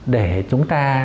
để chúng ta